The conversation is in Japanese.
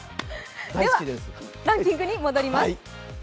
ランキングに戻ります。